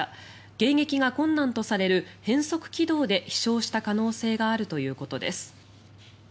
迎撃が困難とされる変則軌道で飛翔した可能性があるということです。